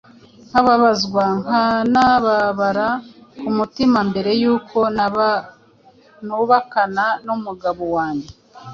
nkababazwa nkanababara ku mutima mbere y’uko nubakana n’umugabo wanjye